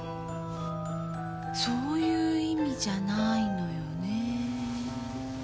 そういう意味じゃないのよね。